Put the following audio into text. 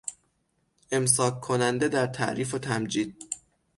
امساککننده در تعریف و تمجید